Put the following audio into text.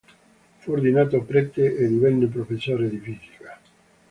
Fu ordinato prete e divenne professore di fisica.